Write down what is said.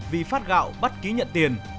vì phát gạo bắt ký nhận tiền